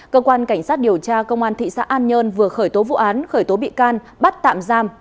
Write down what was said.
cơ quan cảnh sát điều tra công an thị xã an nhơn vừa khởi tố vụ án khởi tố bị can bắt tạm giam